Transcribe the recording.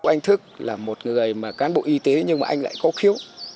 anh thức là một người cán bộ y tế nhưng mà anh lại có khiếu